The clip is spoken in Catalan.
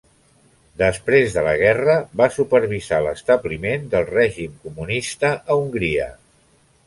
Després de la guerra va supervisar l'establiment del règim comunista a Hongria.